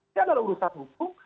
ini adalah urusan hukum